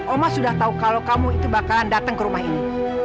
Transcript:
oma sudah tahu kalau kamu itu bakalan datang ke rumah ini